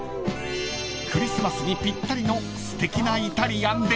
［クリスマスにぴったりのすてきなイタリアンで］